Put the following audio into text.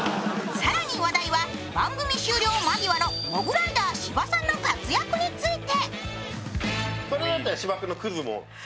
更に話題は番組終了間際のモグライダー芝さんの活躍について。